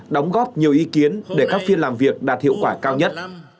đóng góp nhiều ý kiến để các phiên làm việc đạt hiệu quả cao nhất